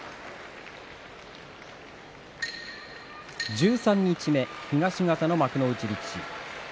十三日目、東方の幕内力士。